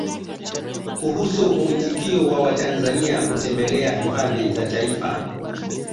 Kuhusu muitikio wa Watanzania kutembelea Hifadhi za Taifa